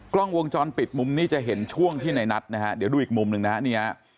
กล้องวงจรปิดมุมนี้จะเห็นช่วงที่ในนัดนะครับเดี๋ยวดูอีกมุมนึงนะครับ